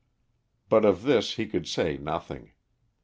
But of this he could say nothing.